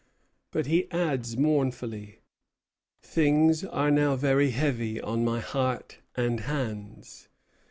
But he adds mournfully: "Things are now very heavy on my heart and hands."